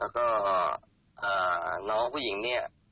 แล้วก็น้องผู้หญิงเนี่ย